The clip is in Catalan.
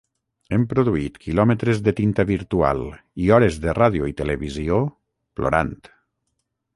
Hem produït quilòmetres de tinta virtual i hores de ràdio i televisió, plorant.